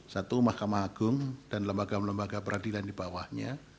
satu mahkamah agung dan lembaga lembaga peradilan di bawahnya